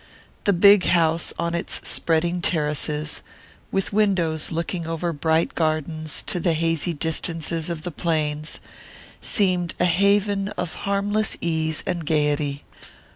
The big house on its spreading terraces, with windows looking over bright gardens to the hazy distances of the plains, seemed a haven of harmless ease and gaiety.